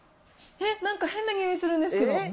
えっ、なんか変なにおいするんですけど。